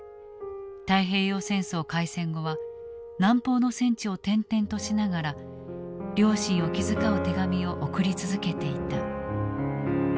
太平洋戦争開戦後は南方の戦地を転々としながら両親を気遣う手紙を送り続けていた。